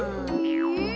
うん？